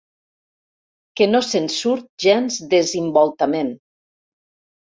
Que no se'n surt gens desimboltament.